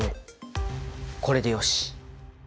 これでよし！